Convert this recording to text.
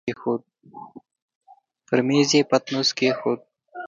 پر مېز يې پتنوس کېښود.